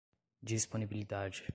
disponibilidade